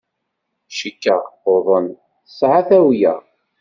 Cikkeɣ tuḍen. Tesɛa tawla.